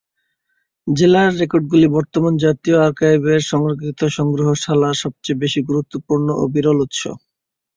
জেলা রেকর্ডগুলি বর্তমানে জাতীয় আর্কাইভস-এর সংরক্ষিত সংগ্রহশালার সবচেয়ে বেশি গুরুত্বপূর্ণ ও বিরল উৎস।